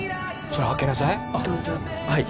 それは開けなさい